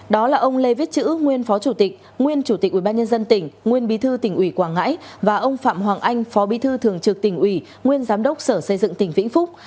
đó là ông lê viết chữ nguyên phó chủ tịch nguyên chủ tịch ubnd tỉnh nguyên bí thư tỉnh ủy quảng ngãi và ông phạm hoàng anh phó bí thư thường trực tỉnh ủy nguyên giám đốc sở xây dựng tỉnh vĩnh phúc